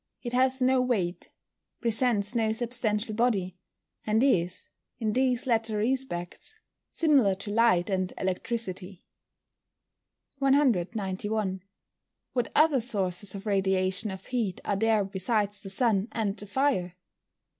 It has no weight, presents no substantial body, and is, in these latter respects, similar to light and electricity. 191. _What other sources of radiation of heat are there besides the sun and the fire?